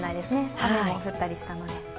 雨も降ったりしたので。